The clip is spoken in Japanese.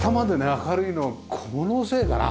明るいのこのせいだな。